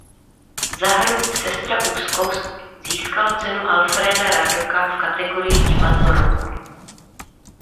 Za hru "Sestra úzkost" získalo Cenu Alfréda Radoka v kategorii Divadlo roku.